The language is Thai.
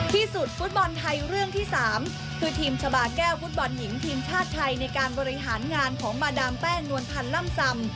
ฟุตบอลไทยเรื่องที่๓คือทีมชาบาแก้วฟุตบอลหญิงทีมชาติไทยในการบริหารงานของมาดามแป้งนวลพันธ์ล่ำซำ